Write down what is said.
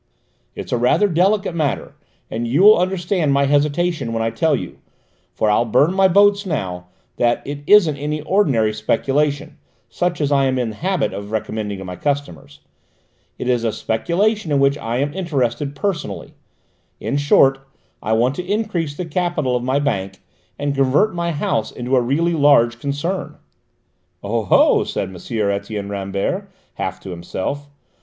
"It's rather a delicate matter, and you will understand my hesitation when I tell you for I'll burn my boats now that it isn't any ordinary speculation, such as I am in the habit of recommending to my customers. It is a speculation in which I am interested personally: in short, I want to increase the capital of my Bank, and convert my House into a really large concern." "Oh ho!" said M. Etienne Rambert, half to himself.